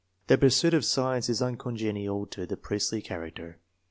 The pursuit of science is uncongenial to the priestly character.